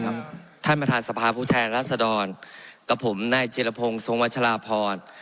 ท่านประธานสภาพผู้แทนรัศดรกับผมนายจิรพงศ์ทรงวัชลาพร